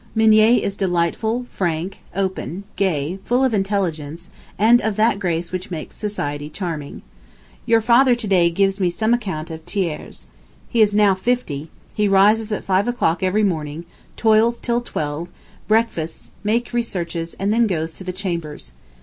"Mignet is delightful, frank, open, gay, full of intelligence, and of that grace which makes society charming." ... Your father to day gives me some account of Thiers. He is now fifty: he rises at five o'clock every morning, toils till twelve, breakfasts, makes researches, and then goes to the Chambers.